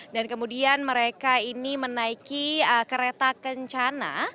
dan kemudian mereka ini menaiki kereta kencana